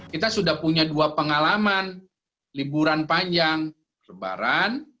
kita sudah punya dua pengalaman liburan panjang lebaran